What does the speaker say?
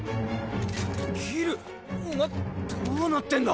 ギルお前どうなってんだ？